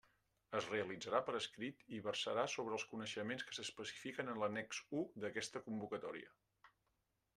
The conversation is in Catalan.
Es realitzarà per escrit i versarà sobre els coneixements que s'especifiquen en l'annex u d'aquesta convocatòria.